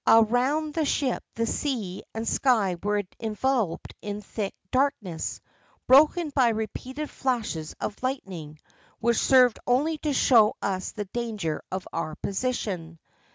AH round the ship the sea and sky were enveloped in thick darkness, broken by repeated flashes of lightning, which served only to show us the danger of our position.